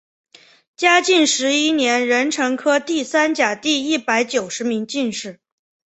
嘉靖十一年壬辰科第三甲第一百九十名进士。